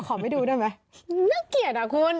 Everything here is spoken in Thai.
พอไปดูได้มั้ยน่าเกลียดอ่ะคุณ